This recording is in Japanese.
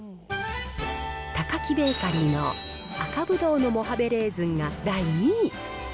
タカキベーカリーの赤葡萄のモハベレーズンが第２位。